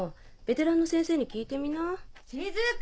ベテランの先生に聞いてみな。